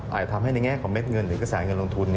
ทำให้ในแง่ของเด็ดเงินหรือกระแสเงินลงทุน